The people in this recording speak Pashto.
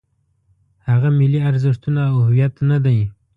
هغه ملي ارزښتونه او هویت نه دی.